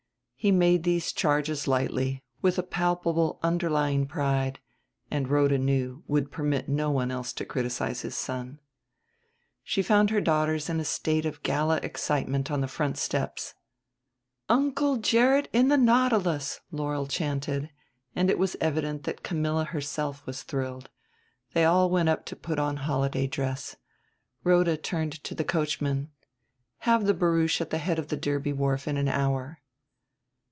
He made these charges lightly, with a palpable underlying pride; and, Rhoda knew, would permit no one else to criticize his son. She found her daughters in a state of gala excitement on the front steps. "Uncle Gerrit in the Nautilus," Laurel chanted; and it was evident that Camilla herself was thrilled. They all went up to put on holiday dress. Rhoda turned to the coachman, "Have the barouche at the head of Derby Wharf in an hour."